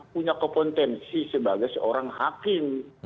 punya kompetensi sebagai seorang hakim